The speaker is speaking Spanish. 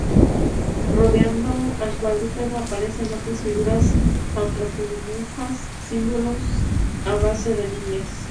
Rodeando al cuadrúpedo aparecen otras figuras antropomorfas y símbolos a base de líneas.